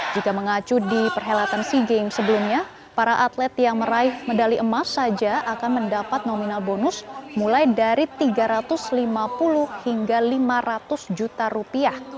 jika mengacu di perhelatan sea games sebelumnya para atlet yang meraih medali emas saja akan mendapat nominal bonus mulai dari tiga ratus lima puluh hingga lima ratus juta rupiah